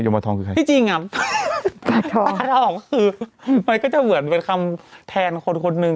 โยมด์วาทองคือใครที่จริงอ่ะคือก็จะเหมือนเป็นคำแทนคนคนหนึ่ง